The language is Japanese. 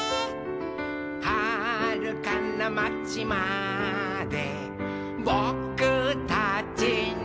「はるかなまちまでぼくたちの」